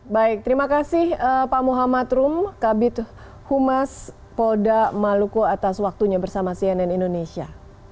baik terima kasih pak muhammad rum kabit humas polda maluku atas waktunya bersama cnn indonesia